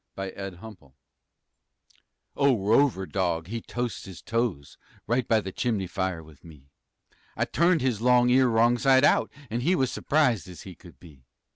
ROVER DOG Old Rover Dog, he toasts his toes Right by th' chimney fire wif me. I turned his long ear wrong side out An' he was s'rprised as he could be!